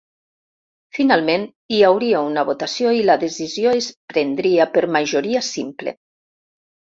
Finalment, hi hauria una votació i la decisió es prendria per majoria simple.